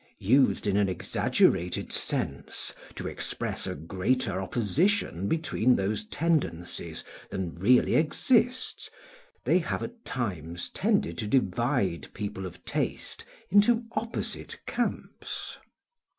Used in an exaggerated sense, to express a greater opposition between those tendencies than really exists, they have at times tended to divide people of taste into opposite camps.